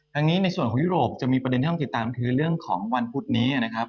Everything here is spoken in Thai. ทางนี้ในส่วนของยุโรปจะมีประเด็นที่ต้องติดตามคือเรื่องของวันพุธนี้นะครับ